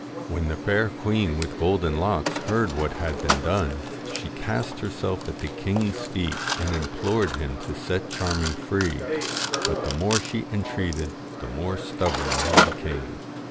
When the Fair Queen with Golden Locks heard what had been done, she cast herself at the king's feet and implored him to set Charming free, but the more she entreated the more stubborn he became.